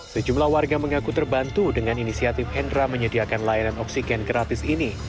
sejumlah warga mengaku terbantu dengan inisiatif hendra menyediakan layanan oksigen gratis ini